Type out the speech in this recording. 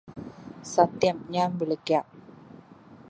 സത്യം ഞാന് വിളിക്കാം